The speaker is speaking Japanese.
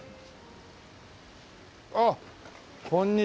あっこんにちは。